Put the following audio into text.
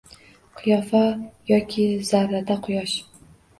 Qiyofa yoki zarrada — Quyosh.